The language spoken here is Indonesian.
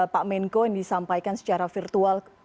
pak menko yang disampaikan secara virtual